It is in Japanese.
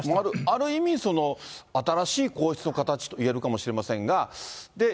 ある意味、新しい皇室の形といえるかもしれませんが。